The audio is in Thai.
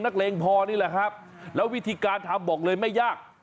เลงพอนี่แหละครับแล้ววิธีการทำบอกเลยไม่ยาก